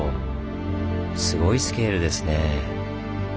すごいスケールですねぇ。